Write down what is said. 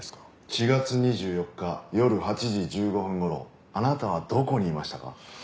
４月２４日夜８時１５分頃あなたはどこにいましたか？